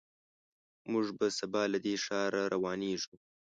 موږ به سبا له دې ښار روانېږو.